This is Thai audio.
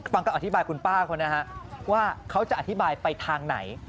ฟังการอธิบายคุณป้าเขานะฮะว่าเขาจะอธิบายไปทางไหน